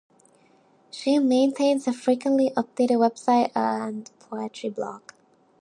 She maintains a frequently updated web site and poetry blog.